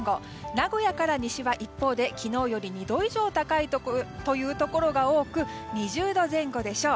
名古屋から西は一方で、昨日より２度以上高いところが多く２０度前後でしょう。